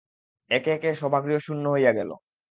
একে একে সভাগৃহ শূন্য হইয়া গেল।